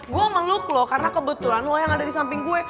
gue meluk loh karena kebetulan lo yang ada di samping gue